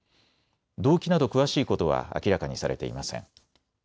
動機など詳しいことは明らかにされていません。